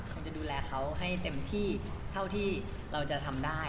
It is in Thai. เขาจะดูแลเขาให้เต็มที่เท่าที่เราจะทำได้